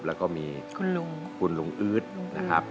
แล้วก็มีคุณลุงอึดนะครับ